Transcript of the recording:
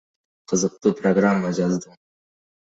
Кызыктуу программа жаздым